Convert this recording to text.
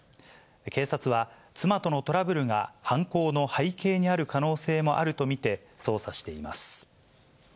警察は、妻とのトラブルが犯行の背景にある可能性もあると見て捜査しています。